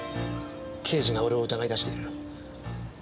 刑事が俺を疑い出している。